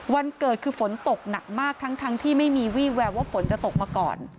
วันเกิดคือฝนตกหนักมากทั้งที่ไม่มีวี่แววว่าฝนจะตกมาก่อน